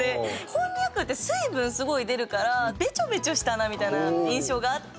こんにゃくって水分すごい出るからベチョベチョしたなみたいな印象があって。